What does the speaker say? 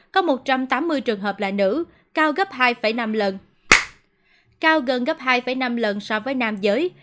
có một trăm tám mươi trường hợp là nữ cao gấp hai năm lần so với nam giới